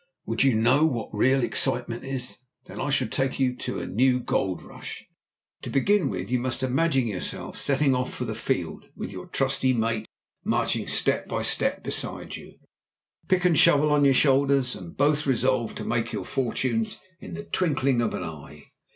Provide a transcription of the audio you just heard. Would you know what real excitement is? Then I shall take you to a new gold rush. To begin with, you must imagine yourself setting off for the field, with your trusty mate marching step by step beside you, pick and shovel on your shoulders, and both resolved to make your fortunes in the twinkling of an eye.